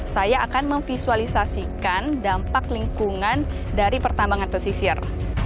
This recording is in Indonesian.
saya akan memvisualisasikan dampak lingkungan dari pertambangan pesisir